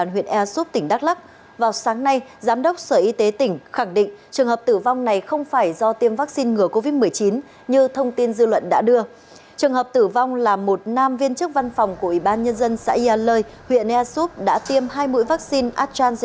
huyện neasup đã tiêm hai mũi vaccine astrazeneca mũi một vào ngày một mươi một tháng tám mũi hai vào ngày mùng một mươi mùng tám tháng một mươi